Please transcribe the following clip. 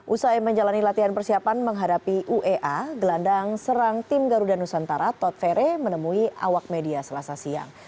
usai menjalani latihan persiapan menghadapi uea gelandang serang tim garuda nusantara tod fere menemui awak media selasa siang